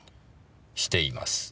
しています。